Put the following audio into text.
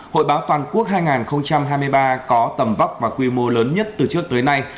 hội báo toàn quốc hai nghìn hai mươi ba có tầm vóc và quy mô lớn nhất từ trước tới nay